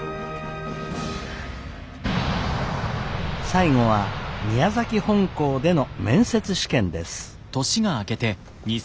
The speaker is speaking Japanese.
最後は宮崎本校での面接試験です。